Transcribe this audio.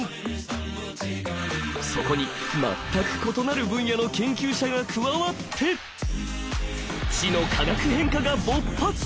そこに全く異なる分野の研究者が加わって知の化学変化が勃発！